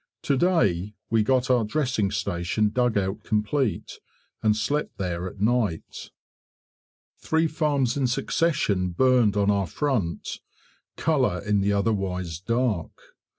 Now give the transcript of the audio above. To day we got our dressing station dugout complete, and slept there at night. Three farms in succession burned on our front colour in the otherwise dark.